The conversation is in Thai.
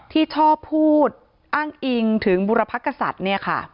ที่ชอบพูดอ้างอิงถึงบุรพกษัตริย์